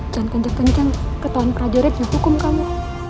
jangan kencang kencang ketuan prajeret yang hukum kamu